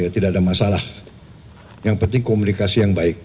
tidak ada masalah yang penting komunikasi yang baik